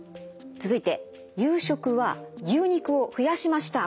続いて夕食は牛肉を増やしました。